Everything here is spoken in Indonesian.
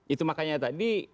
itu makanya tadi